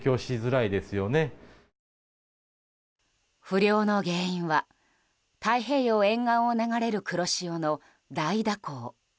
不漁の原因は太平洋沿岸を流れる黒潮の大蛇行。